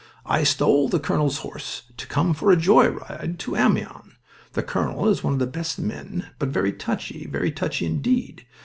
I stole the colonel's horse to come for a joy ride to Amiens. The colonel is one of the best of men, but very touchy, very touchy indeed.